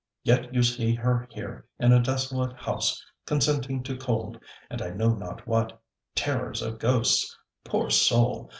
Yet you see her here in a desolate house, consenting to cold, and I know not what, terrors of ghosts! poor soul.